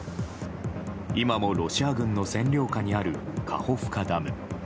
今もロシア軍の占領下にあるカホフカダム。